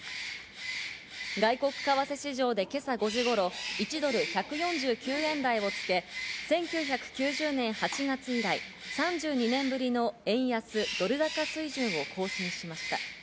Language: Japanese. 外国為替市場で今朝５時頃、１ドル＝１４９円台をつけ、１９９０年８月以来、３２年ぶりの円安ドル高水準を更新しました。